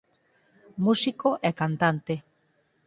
Músico e cantante.